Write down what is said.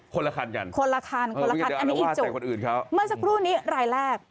คนละครกันคนละครคนละครอันนี้อีกจุดเมื่อสักครู่นี้รายแรก